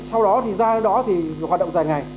sau đó thì ra đó thì hoạt động dài ngày